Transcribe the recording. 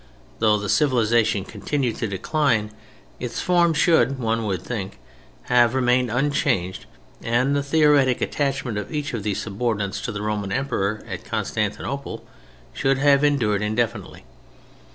Though the civilization continued to decline, its forms should, one would think, have remained unchanged and the theoretic attachment of each of these subordinates to the Roman Emperor at Constantinople should have endured indefinitely.